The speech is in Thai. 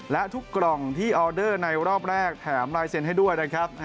และทุกกล่องที่ออเดอร์ในรอบแรกแถมลายเซ็นต์ให้ด้วยนะครับ